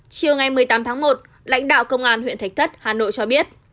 chiều ngày một mươi tám tháng một lãnh đạo công an huyện thạch thất hà nội cho biết